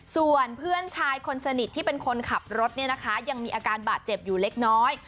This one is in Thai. ส่วนเพื่อนชายคนสนิทที่เป็นคนขับรถเนี่ยนะคะยังมีอาการบาดเจ็บอยู่เล็กน้อย